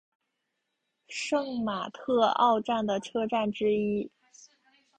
圣马特奥站的车站之一。